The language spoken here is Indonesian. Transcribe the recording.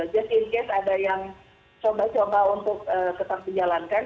just in case ada yang coba coba untuk tetap dijalankan